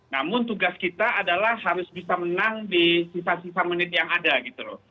namun tugas kita adalah harus bisa menang di sisa sisa menit yang ada gitu loh